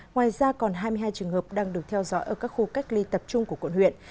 ngoài ra còn hai mươi hai trường hợp đang được theo dõi ở các khu cách ly tập trung của quận huyện